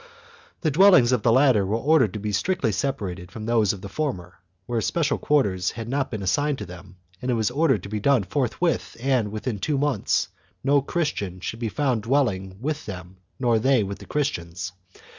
The dwellings of the latter were ordered to be strictly separated from those of the former; where special quarters had not been assigned to them, it was ordered to be done forthwith and, within two months, no Chris tian should be found dwelling with them nor they with Christians.